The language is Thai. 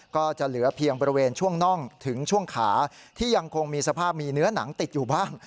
ก็จะเหลือเพียงบริเวณช่วงน่องถึงช่วงขาที่ยังคงมีสภาพมีเนื้อหนังติดอยู่บ้าง